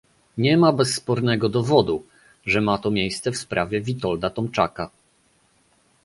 Nie ma bezspornego dowodu, że ma to miejsce w sprawie Witolda Tomczaka